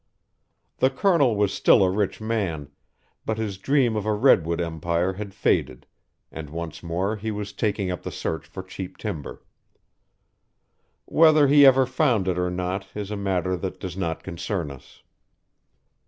The Colonel was still a rich man, but his dream of a redwood empire had faded, and once more he was taking up the search for cheap timber. Whether he ever found it or not is a matter that does not concern us.